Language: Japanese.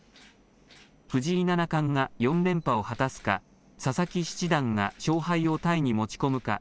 藤井七冠が４連覇を果たすか佐々木七段が勝敗をタイに持ち込むか。